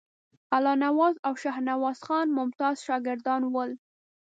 الله نواز او شاهنواز خان ممتاز شاګردان ول.